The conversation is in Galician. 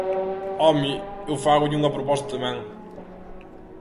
¡Home!, eu fágolle unha proposta tamén.